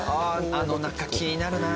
あの中気になるな。